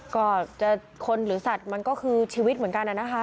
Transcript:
ก็จะคนหรือสัตว์มันก็คือชีวิตเหมือนกันนะคะ